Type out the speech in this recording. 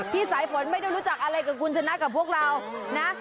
สายฝนไม่ได้รู้จักอะไรกับคุณชนะกับพวกเรานะ